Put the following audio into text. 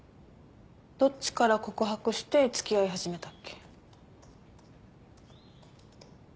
どっちから告白して付き合い始めたっけ？